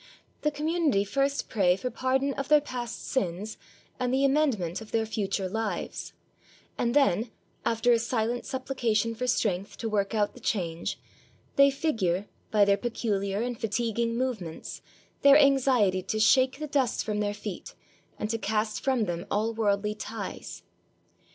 The community first pray for pardon of their past sins, and the amend ment of their future lives; and then, after a silent suppli cation for strength to work out the change, they figure, by their peculiar and fatiguing movements, their anx iety to "shake the dust from their feet," and to cast from them all worldly ties.